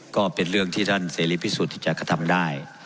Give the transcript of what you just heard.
ก็เป็นเรื่องที่ท่านเสรีพิสุทธิ์ที่จะกระทำได้